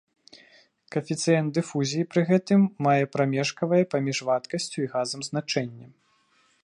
Каэфіцыент дыфузіі пры гэтым мае прамежкавае паміж вадкасцю і газам значэнне.